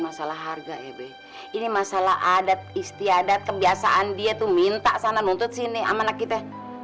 masalah harga eb ini masalah adat istiadat kebiasaan dia tuh minta sana nuntut sini sama anak kita